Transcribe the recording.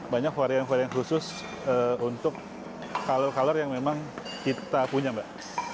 banyak varian varian khusus untuk color color yang memang kita punya mbak